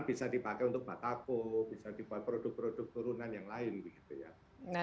bisa dipakai untuk batako bisa dibuat produk produk turunan yang lain begitu ya